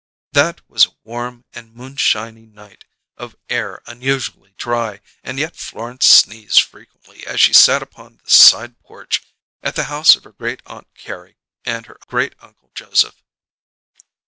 That was a warm and moonshiny night of air unusually dry, and yet Florence sneezed frequently as she sat upon the "side porch" at the house of her Great Aunt Carrie and her Great Uncle Joseph.